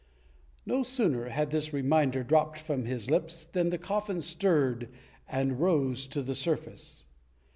'" No sooner had this reminder dropped from his lips than the coffin stirred and rose to the surface.